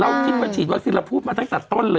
เราคิดว่าฉีดวัคซีนเราพูดมาตั้งแต่ต้นเลย